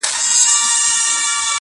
ويل زما د سر امان دي وي څښتنه !.